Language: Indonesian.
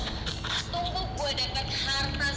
tunggu gue deket hartas